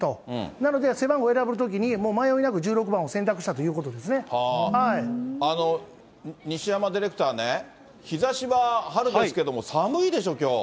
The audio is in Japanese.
なので、背番号選ぶときに、もう迷いなく１６番を選択したという西山ディレクターね、日ざしは春ですけども、寒いでしょう？